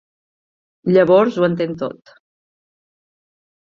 Llavors ho entén tot.